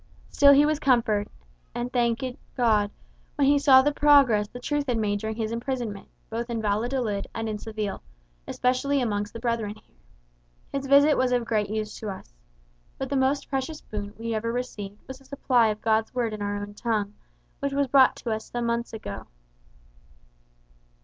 Still he was comforted, and thanked God, when he saw the progress the truth had made during his imprisonment, both in Valladolid and in Seville, especially amongst the brethren here. His visit was of great use to us. But the most precious boon we ever received was a supply of God's Word in our own tongue, which was brought to us some months ago."